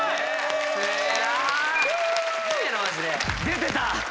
出てた！